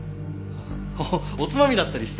ハハおつまみだったりして。